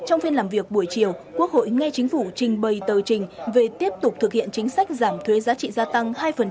trong phiên làm việc buổi chiều quốc hội nghe chính phủ trình bày tờ trình về tiếp tục thực hiện chính sách giảm thuế giá trị gia tăng hai